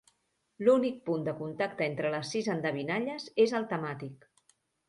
L'únic punt de contacte entre les sis endevinalles és el temàtic.